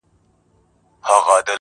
هر سړي ویل په عامه هم په زړه کي.!